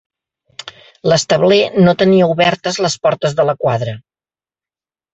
L'establer no tenia obertes les portes de la quadra.